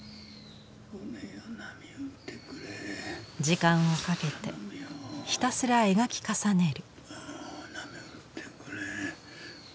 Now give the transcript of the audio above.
時間をかけてひたすら描き重ねる。